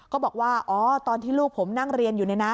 ก็บอกว่าตอนที่ลูกผมนั่งเรียนอยู่